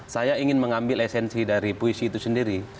saya ingin mengambil esensi dari puisi itu sendiri